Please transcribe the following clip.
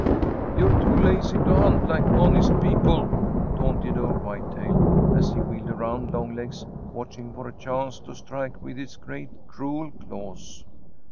"You're too lazy to hunt like honest people!" taunted old Whitetail, as he wheeled around Longlegs, watching for a chance to strike with his great, cruel claws.